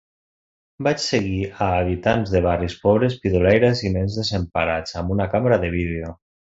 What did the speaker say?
Vaig seguir a habitants de barris pobres, pidolaires i nens desemparats amb una càmera de vídeo.